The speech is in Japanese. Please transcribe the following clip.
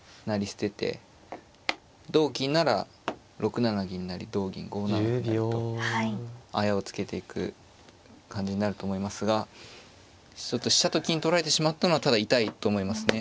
捨てて同金なら６七銀成同銀５七歩成とあやをつけていく感じになると思いますが飛車と金取られてしまったのはただ痛いと思いますね。